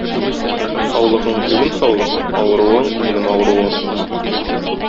Саулыгың - минем саулык, авыруың - минем авыруым.